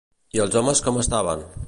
I els homes com estaven?